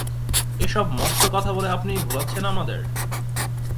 এ-সব মস্ত কথা বলে আপনি ভোলাচ্ছেন আমাদের।